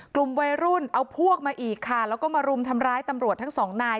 กลุ่มวัยรุ่นเอาพวกมาอีกค่ะแล้วก็มารุมทำร้ายตำรวจทั้งสองนาย